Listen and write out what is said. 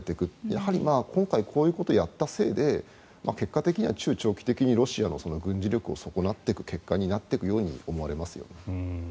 やはりこういうことをやったせいで結果的には中長期的にロシアの軍事力を損なっていく結果になっていくように思われますよね。